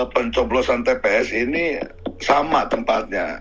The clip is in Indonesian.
pencoblosan tps ini sama tempatnya